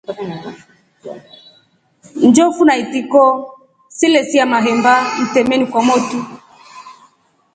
Njofu na itiko silelya mahemba mtameni kwa motu.